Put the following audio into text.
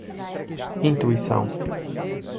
Intuição